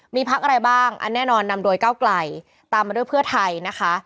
มีพักอะไรบ้างอันแน่นอนนำโดยก้าวไกลตามมาด้วยเพื่อไทยนะคะ